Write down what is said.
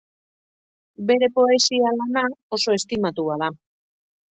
Bere poesia lana oso estimatua da.